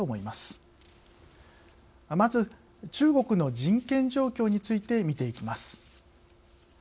まず、中国の人権状況について見ていきます。